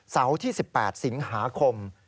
เสาร์ที่๑๘สิงหาคม